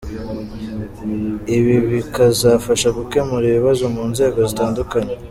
Ibi bikazafasha gukemura ibibazo mu nzego z’itandukanye.